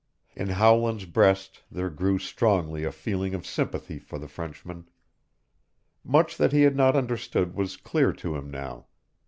In Howland's breast there grew slowly a feeling of sympathy for the Frenchman. Much that he had not understood was clear to him now.